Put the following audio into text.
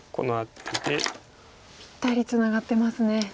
ぴったりツナがってますね。